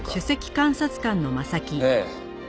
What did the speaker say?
ええ。